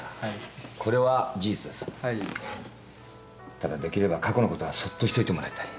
ただできれば過去のことはそっとしといてもらいたい。